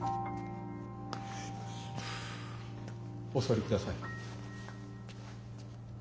お座りください。